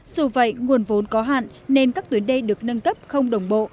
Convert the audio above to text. dù vậy nguồn vốn có hạn nên các tuyến đê được nâng cấp không đồng bộ